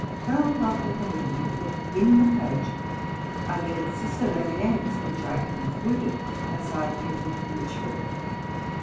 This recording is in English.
Tell Dr. Heberden, that in the coach I read Ciceronianus which I concluded as I entered Lichfield.